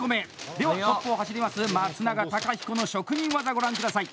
では、トップを走ります松永貴彦の職人技ご覧ください！